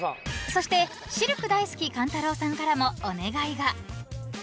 ［そしてシルク大好き勘太郎さんからもお願いが］